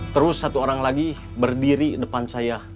terus satu orang lagi berdiri depan saya